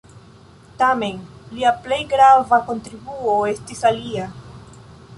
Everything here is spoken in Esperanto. Tamen, lia plej grava kontribuo estis alia.